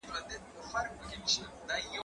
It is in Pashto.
زه به سبا واښه راوړم وم،